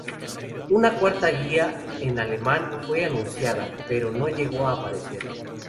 Una cuarta guía en alemán fue anunciada, pero no llegó a aparecer.